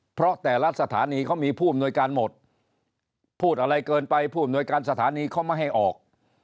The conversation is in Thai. เพราะแต่ละสถานีเขามีผู้อำนวยการหมดพูดอะไรเกินไปผู้อำนวยการสถานีเขาไม่ให้ออก